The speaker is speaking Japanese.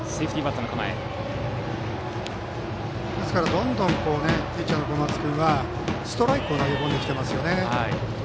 どんどんピッチャーの小松君がストライクを投げ込んできています。